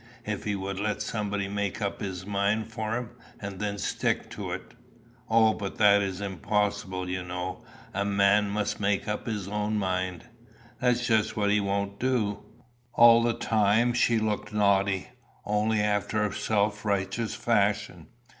"If he would let somebody make up his mind for him, and then stick to it " "O, but that is impossible, you know. A man must make up his own mind." "That's just what he won't do." All the time she looked naughty, only after a self righteous fashion.